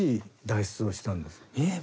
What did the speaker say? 「えっ？